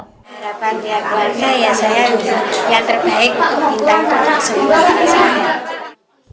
keharapannya saya yang terbaik untuk bintang